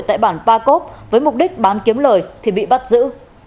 tại bản pacop với mục đích bán kiếm lời thì bị bắt giữ